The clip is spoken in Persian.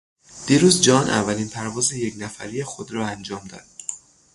دیروز جان اولین پرواز یکنفری خود را انجام داد.